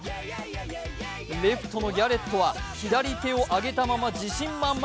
レフトのギャレットは左手を上げたまま自信満々。